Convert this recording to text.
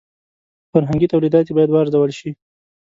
فرهنګي تولیدات یې باید وارزول شي.